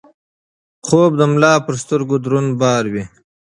خوب د ملا پر سترګو دروند بار و.